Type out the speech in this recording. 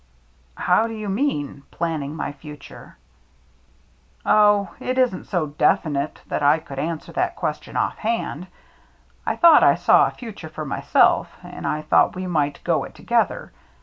" How do you mean, — planning my future ?" AT THE HOUSE ON STILTS 79 " Oh, it isn't so definite that I could answer that question ofFhand. I thought I saw a future for myself, and I thought we might go it to gether.